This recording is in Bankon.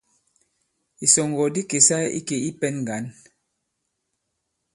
Ìsɔ̀ŋgɔ̀ di kèsa ikè i pɛ̄n ŋgǎn.